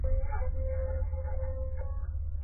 ایا تکړه پلورونکي کاغذي بادام ساتي؟